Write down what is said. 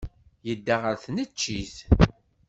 Yedda ɣer tneččit.